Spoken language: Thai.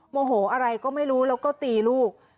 โมโหอะไรก็ไม่รู้แล้วก็ตีลูก